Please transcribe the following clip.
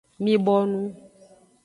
Mi bonu.